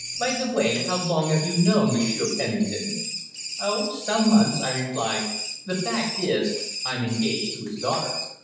By the way, how long have you known Monsieur Penning ton?" "Oh, some months," I replied. "The fact is, I'm engaged to his daughter."